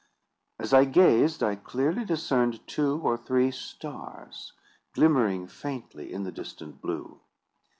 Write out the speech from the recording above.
As I gazed, I clearly discerned two or three stars glimmering faintly in the distant blue.